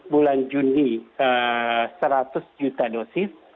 bulan juni seratus juta dosis